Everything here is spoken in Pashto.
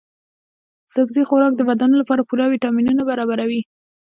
سبزي خوراک د بدن لپاره پوره ويټامینونه برابروي.